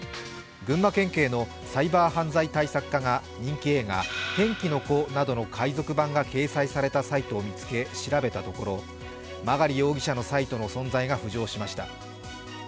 群馬県警のサイバー犯罪対策課が人気映画「天気の子」などの海賊版が掲載されたサイトを見つけ調べたところ、曲容疑者のサイトの存在が浮上しました。